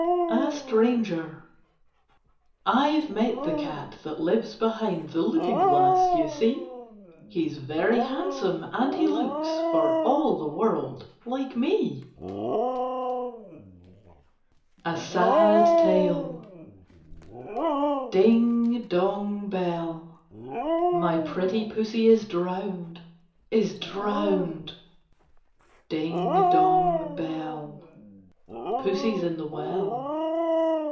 A STRANGER I 've met the cat that lives behind The looking glass, you see. He's very handsome, and he looks For all the world like me. 66 KITTENS Am) CATS A SAD TALE Ding, dong, bell ! My pretty pussy is drowned, is drowned! Ding, dong, bell ! Pussy 's in the well.